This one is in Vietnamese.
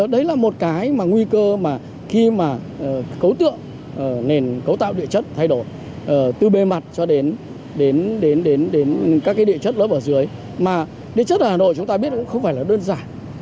điều chất hà nội chúng ta biết cũng không phải là đơn giản